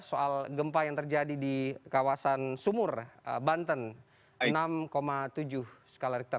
soal gempa yang terjadi di kawasan sumur banten enam tujuh skala richter